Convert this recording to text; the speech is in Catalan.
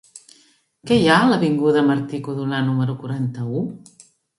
Què hi ha a l'avinguda de Martí-Codolar número quaranta-u?